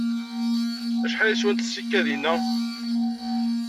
Acḥal ay swant tsekkadin-a?